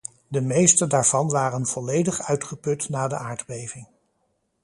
De meeste daarvan waren volledig uitgeput na de aardbeving.